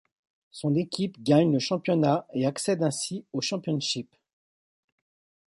Son équipe gagne le championnat et accède ainsi au Championship.